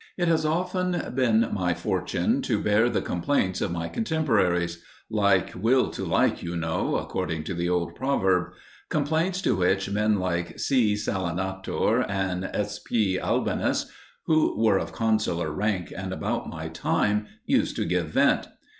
It has often been my fortune to bear the complaints of my contemporaries like will to like, you know, according to the old proverb complaints to which men like C. Salinator and Sp. Albinus, who were of consular rank and about my time, used to give vent.